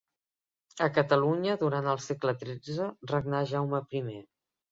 A Catalunya, durant el segle tretze, regnà Jaume I.